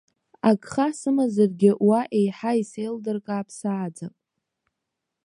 Агха сымазаргьы уа еиҳа исеилдыркаап, сааӡап.